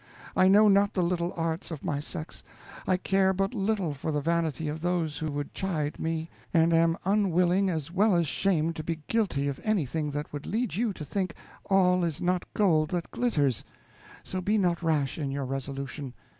I know not the little arts of my sex. I care but little for the vanity of those who would chide me, and am unwilling as well as shamed to be guilty of anything that would lead you to think 'all is not gold that glitters'; so be not rash in your resolution.